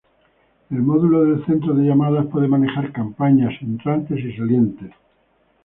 El módulo de centro de llamadas puede manejar campañas entrantes y salientes.